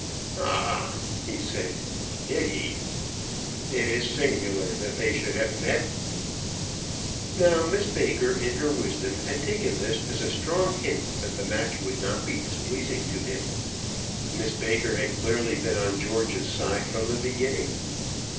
"Ah!" he said; "did he? It is singular they should have met." Now Miss Baker in her wisdom had taken this as a strong hint that the match would not be displeasing to him. Miss Baker had clearly been on George's side from the beginning.